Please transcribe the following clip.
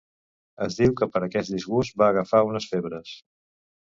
Es diu que per aquest disgust va agafar unes febres.